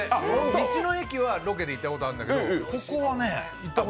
道の駅はロケでいったことあるんだけど、ここはね。